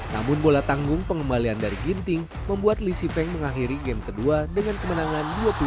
namun bola tanggung pengembalian dari ginting membuat lisi feng mengakhiri game kedua dengan kemenangan dua puluh satu dua belas